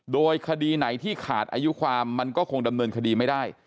โดยคดีไหนที่ขาดอายุความมันก็คงดำเนินคดีไม่ได้